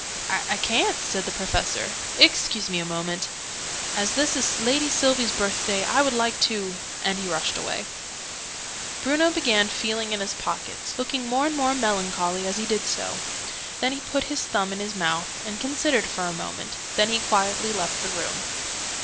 "I ca'n't," said the Professor. "Excuse me a moment. As this is Lady Sylvie's birthday, I would like to " and he rushed away. Bruno began feeling in his pockets, looking more and more melancholy as he did so: then he put his thumb in his mouth, and considered for a minute: then he quietly left the room.